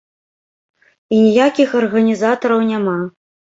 І ніякіх арганізатараў няма.